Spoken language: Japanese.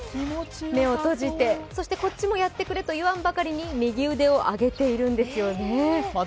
目を閉じて、そしてこっちもやってくれと言わんばかりに右腕を上げているんですよね。